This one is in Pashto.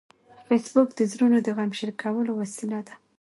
فېسبوک د زړونو د غم شریکولو وسیله ده